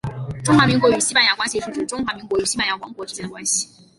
中华民国与西班牙关系是指中华民国与西班牙王国之间的关系。